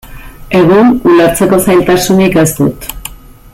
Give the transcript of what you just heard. Egun, ulertzeko zailtasunik ez dut.